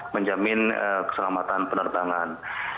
menjamin keselamatan penertangan